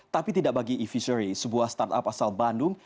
tapi tidak bagi evisery sebuah startup asal bandung